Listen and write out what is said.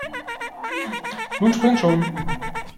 Nun spring schon!